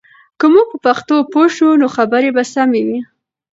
که موږ په پښتو پوه شو، نو خبرې به سمې وي.